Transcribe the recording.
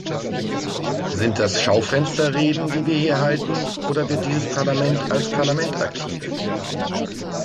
Sind das Schaufensterreden, die wir hier halten, oder wird dieses Parlament als Parlament aktiv?